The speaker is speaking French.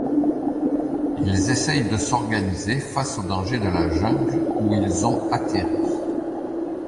Ils essayent de s'organiser face aux dangers de la jungle où ils ont atterri.